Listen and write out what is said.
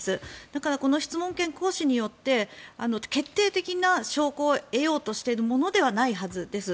だからこの質問権行使によって決定的な証拠を得ようとしているものではないはずです。